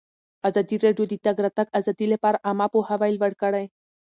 ازادي راډیو د د تګ راتګ ازادي لپاره عامه پوهاوي لوړ کړی.